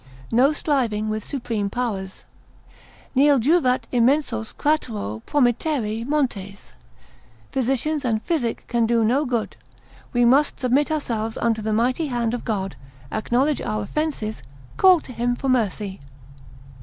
No striving with supreme powers. Nil juvat immensos Cratero promittere montes, physicians and physic can do no good, we must submit ourselves unto the mighty hand of God, acknowledge our offences, call to him for mercy.